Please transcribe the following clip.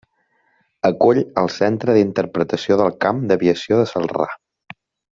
Acull el Centre d'interpretació del Camp d'aviació de Celrà.